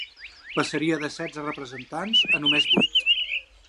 Passaria de setze representants a només vuit.